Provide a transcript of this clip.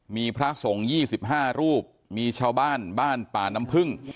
มีพระส่ง๒๕รูปเป็นชาวบ้านบ้านป่าน้ำผึ้ง